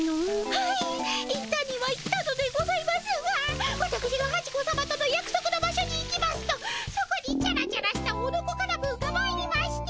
はい行ったには行ったのでございますがわたくしがハチ子さまとのやくそくの場所に行きますとそこにチャラチャラしたオノコカナブンがまいりまして